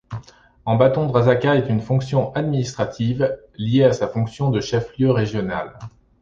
Ambatondrazaka a une fonction administrative, liée à sa fonction de chef-lieu régional.